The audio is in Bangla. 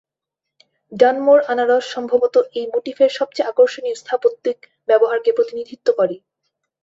ডানমোর আনারস সম্ভবত এই মোটিফের সবচেয়ে আকর্ষণীয় স্থাপত্যিক ব্যবহারকে প্রতিনিধিত্ব করে।